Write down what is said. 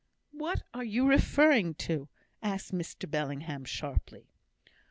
"What are you referring to?" asked Mr Bellingham, sharply.